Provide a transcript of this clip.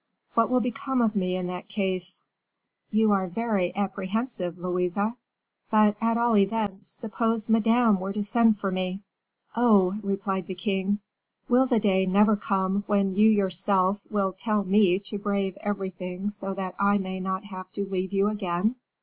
"What will become of me in that case?" "You are very apprehensive, Louise." "But at all events, suppose Madame were to send for me?" "Oh!" replied the king, "will the day never come when you yourself will tell me to brave everything so that I may not have to leave you again?"